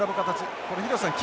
これ廣瀬さん